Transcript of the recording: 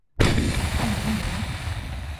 你看牛魔？